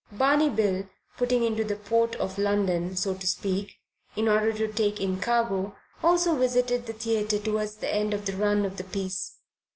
Barney Bill, putting into the Port of London, so to speak, in order to take in cargo, also visited the theatre towards the end of the run of the piece.